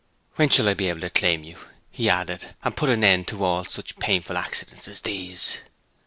'When shall I be able to claim you,' he added, 'and put an end to all such painful accidents as these?'